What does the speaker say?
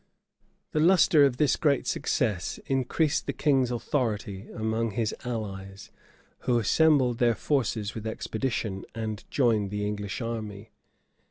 [] The lustre of this great success increased the king's authority among his allies, who assembled their forces with expedition, and joined the English army.